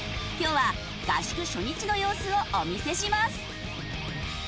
今日は合宿初日の様子をお見せします！